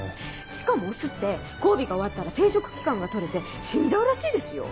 しかもオスって交尾が終わったら生殖器官が取れて死んじゃうらしいですよ